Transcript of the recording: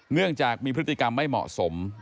เนื่องจากมีพฤติกรรมไม่เหมาะสม